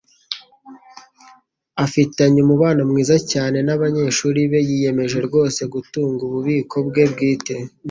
Afitanye umubano mwiza cyane nabanyeshuri be. Yiyemeje rwose gutunga ububiko bwe bwite.